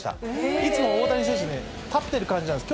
いつも大谷選手ね、立っている感じなんです。